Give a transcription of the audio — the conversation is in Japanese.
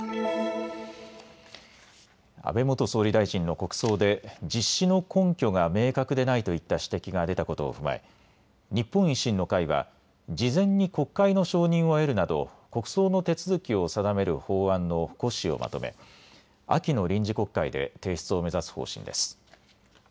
安倍元総理大臣の国葬で実施の根拠が明確でないといった指摘が出たことを踏まえ、日本維新の会は事前に国会の承認を得るなど国葬の手続きを定める法案の骨子をまとめ秋の臨時国会で提出を目指す方針です。